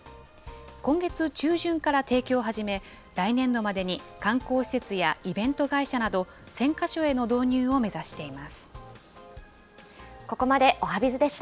今月中旬から提供を始め、来年度までに観光施設やイベント会社など、１０００か所への導入を目指しています。